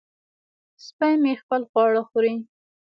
سپی مې خپل خواړه خوري.